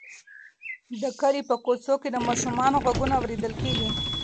د کلي په کوڅو کې د ماشومانو غږونه اورېدل کېږي.